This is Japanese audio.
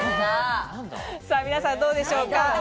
皆さん、どうでしょうか？